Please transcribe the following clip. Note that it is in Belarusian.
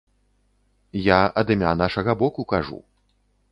Я ад імя нашага боку кажу.